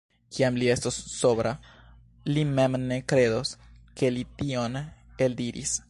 Kiam li estos sobra, li mem ne kredos, ke li tion eldiris.